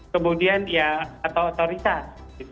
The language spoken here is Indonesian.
kemudian ya atau otoritas